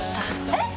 えっ！！